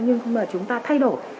nhưng không phải chúng ta thay đổi